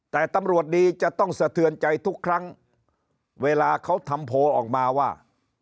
แต่ตำรวจดีจะต้องสะเทือนใจทุกครั้งเวลาเขาทำโพลออกมาว่า